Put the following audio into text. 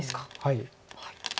はい。